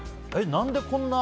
何でこんな。